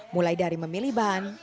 mulai dari memilih bahan